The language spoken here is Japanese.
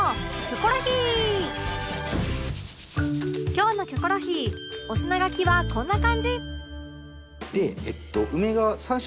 今日の『キョコロヒー』お品書きはこんな感じでえっと。